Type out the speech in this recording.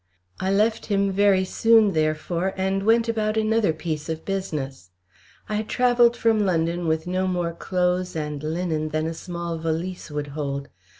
I left him very soon, therefore, and went about another piece of business. I had travelled from London with no more clothes and linen than a small valise would hold.